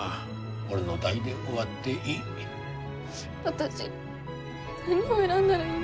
私何を選んだらいいの？